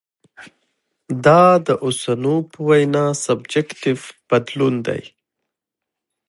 دا د اوسنو په وینا سبجکټیف بدلون دی.